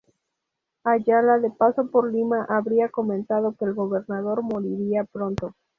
Ayala, de paso por Lima, habría comentado que el gobernador moriría pronto.